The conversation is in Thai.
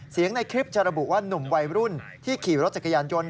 ในคลิปจะระบุว่านุ่มวัยรุ่นที่ขี่รถจักรยานยนต์